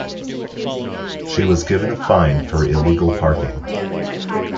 She was given a fine for illegal parking.